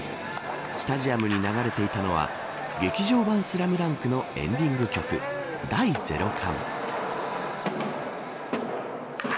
スタジアムに流れていたのは劇場版スラムダンクのエンディング曲第ゼロ感。